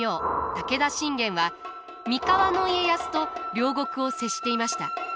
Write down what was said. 武田信玄は三河の家康と領国を接していました。